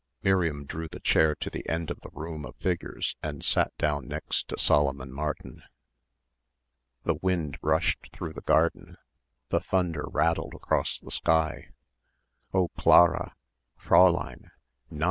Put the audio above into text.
Miriam drew the chair to the end of the row of figures and sat down next to Solomon Martin. The wind rushed through the garden, the thunder rattled across the sky. "Oh, Clara! Fräulein! Nein!"